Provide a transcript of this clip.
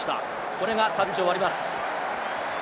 これがタッチを割ります。